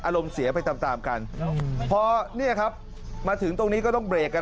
เสียไปตามตามกันพอเนี่ยครับมาถึงตรงนี้ก็ต้องเบรกกัน